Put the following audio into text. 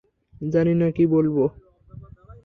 জানি না কি বলবো।